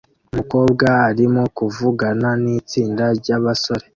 Umukobwa arimo kuvugana nitsinda ryabasore